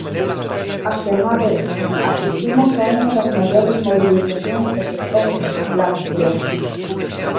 Asemade, asistimos a unha das maiores mobilizacións do sector lácteo.